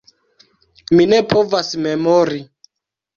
Mi ne povas memori.